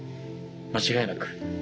間違いなく。